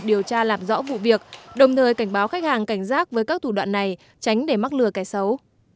điều tra làm rõ vụ việc đồng thời cảnh báo khách hàng cảnh giác với các thủ đoạn này tránh để mắc lừa cái xấu